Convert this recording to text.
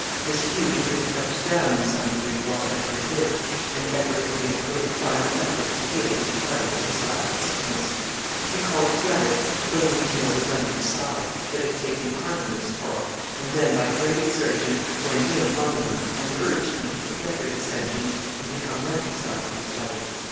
This feud had been kept down in some degree while Edward lived, and Edward had made a great final effort to heal it entirely in his last sickness. He called together the leading nobles on each side, that had taken part in this quarrel, and then, by great exertion, went in among them, and urged them to forget their dissensions and become reconciled to each other.